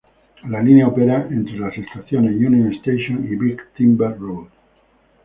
La línea opera entre las estaciones Union Station y Big Timber Road.